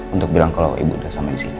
untuk bilang kalau ibu udah sampai disini